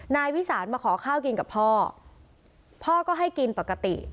นายวิสานมาขอข้าวกินกับพ่อพ่อก็ให้กินปกติ